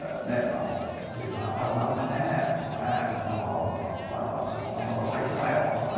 「随分暖かくなったね」とかね「この間は何とか咲いてたよ」とかね